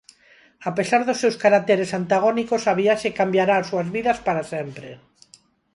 A pesar dos seus caracteres antagónicos a viaxe cambiará as súas vidas para sempre.